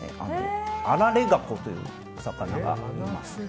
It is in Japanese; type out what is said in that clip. アラレガコというお魚がいます。